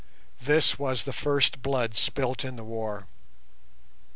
This was the first blood spilt in the war.